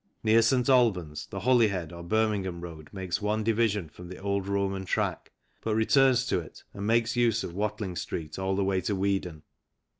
Near St. Albans, the Holyhead or Birmingham road makes one division from the old Roman track, but returns to it and makes use of Watling Street all the way to Weedon.